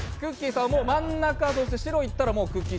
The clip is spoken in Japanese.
さん、真ん中そして白いったらくっきー！